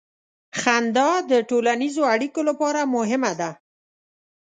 • خندا د ټولنیزو اړیکو لپاره مهمه ده.